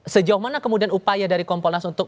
sejauh mana kemudian upaya dari kompolnas untuk